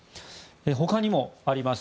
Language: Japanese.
他にもあります。